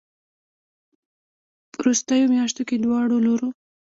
ه وروستيو مياشتو کې دواړو لورو